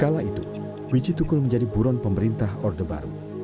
kala itu wijitukul menjadi buron pemerintah orde baru